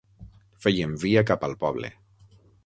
Feien via cap al poble.